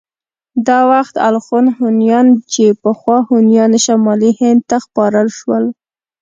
دا وخت الخون هونيان چې پخوا هونيان شمالي هند ته خپاره شول.